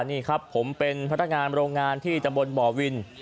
นี่ครับผมเป็นพัฒนางานโรงงานที่จับมนต์บ่อวิน